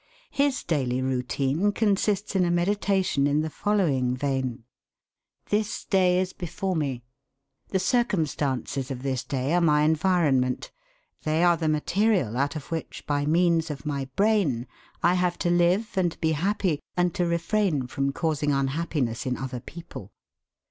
His daily routine consists in a meditation in the following vein: 'This day is before me. The circumstances of this day are my environment; they are the material out of which, by means of my brain, I have to live and be happy and to refrain from causing unhappiness in other people.